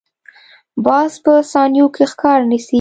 باز په ثانیو کې ښکار نیسي